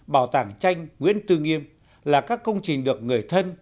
bảo tàng tranh nguyễn tư nghiêm là các công trình được người thân